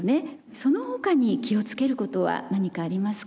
その他に気をつけることは何かありますか？